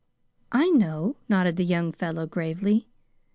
"I know," nodded the young fellow gravely.